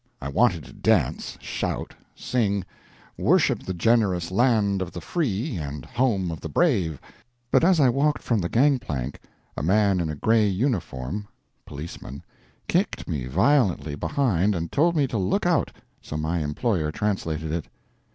I wanted to dance, shout, sing, worship the generous Land of the Free and Home of the Brave. But as I walked from the gangplank a man in a gray uniform [Policeman] kicked me violently behind and told me to look out so my employer translated it.